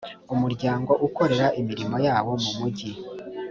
umuryango ukorera imirimo yawo mu mujyi